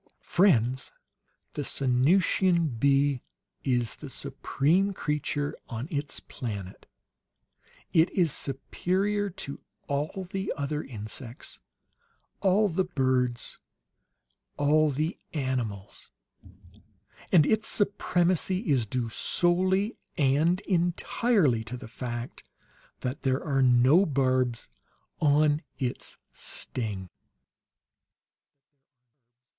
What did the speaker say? Friends, the Sanusian bee is the supreme creature on its planet; it is superior to all the other insects, all the birds, all the animals; and its supremacy is due solely and entirely to the fact that there are no barbs on its sting!"